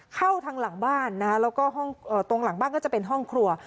เข้าทางหลังบ้านนะฮะแล้วก็ห้องตรงหลังบ้านก็จะเป็นห้องครัว